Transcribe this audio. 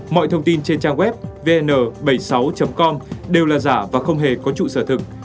mọi thông tin trên trang web vn bảy mươi sáu com đều là giả và không hề có trụ sở thực